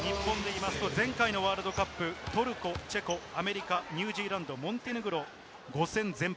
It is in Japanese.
日本でいいますと前回のワールドカップ、トルコ、チェコ、アメリカ、ニュージーランド、モンテネグロ、５戦全敗。